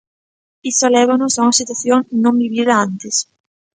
Iso lévanos a unha situación non vivida antes.